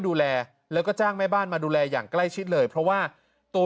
ดูแลแล้วก็จ้างแม่บ้านมาดูแลอย่างใกล้ชิดเลยเพราะว่าตัว